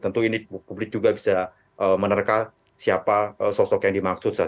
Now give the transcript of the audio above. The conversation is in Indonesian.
tentu ini publik juga bisa menerka siapa sosok yang dimaksud